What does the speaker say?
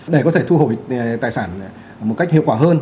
để có thể thu hồi tài sản một cách hiệu quả hơn